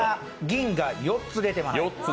銀が４つ出てます。